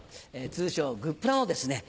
通称グップラのですね